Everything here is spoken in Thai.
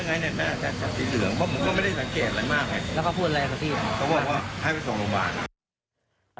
ก็บอกว่าให้ไปส่งโรงพยาบาล